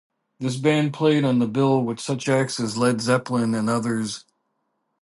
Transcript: This band played on the bill with such acts as Led Zeppelin and others.